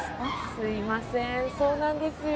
すいませんそうなんですよ。